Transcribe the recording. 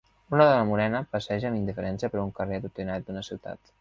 Una dona morena passeja amb indiferència per un carrer atrotinat d'una ciutat